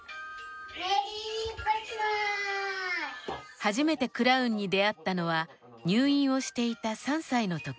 初めてクラウンに出会ったのは入院をしていた３歳のとき。